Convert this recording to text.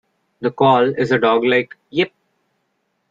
The call is a dog-like "yip".